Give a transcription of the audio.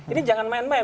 ini jangan main main